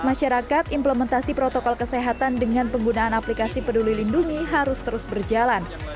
masyarakat implementasi protokol kesehatan dengan penggunaan aplikasi peduli lindungi harus terus berjalan